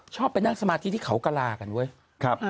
ชอบไปนั่งสมาธิที่เขากระลากันเว้ย